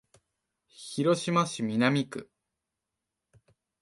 広島市南区